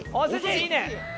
いいね。